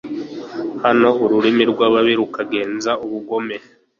naho ururimi rw'ababi rukagenza ubugome